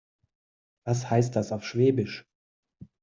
Was heißt das auf Schwäbisch?